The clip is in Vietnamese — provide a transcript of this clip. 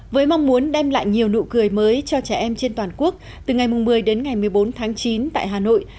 với mong muốn đem lại nhiều nụ cười mới cho trẻ em trên toàn quốc từ ngày một mươi đến ngày một mươi bốn tháng chín tại hà nội